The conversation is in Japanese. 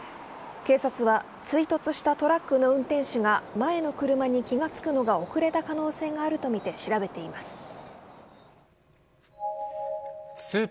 警察は、追突したトラックの運転手が前の車に気が付くのが遅れた可能性があるとみて調べています。